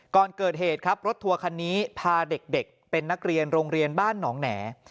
ก่อนเกิดเหตุครับรถทัวร์คันนี้พาเด็กเป็นนักเรียนโรงเรียนบ้านหนองแหน่